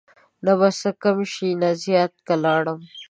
نه به څه کم شي نه زیات که لاړم